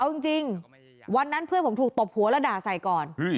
เอาจริงวันนั้นเพื่อนผมถูกตบหัวแล้วด่าใส่ก่อน